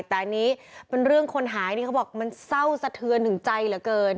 แต่อันนี้เป็นเรื่องคนหายนี่เขาบอกมันเศร้าสะเทือนถึงใจเหลือเกิน